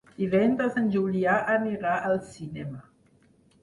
Divendres en Julià anirà al cinema.